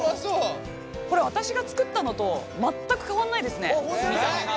これ私が作ったのと全く変わんないですね見た目が。